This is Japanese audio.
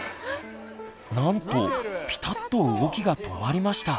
なんとピタッと動きが止まりました。